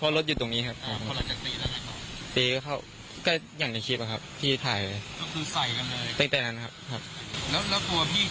แล้วตัวพี่ที่เจ็บเขาก็โกนของความเชื่อเหลือใช่ไหมครับ